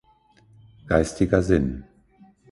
Geistiger Sinn.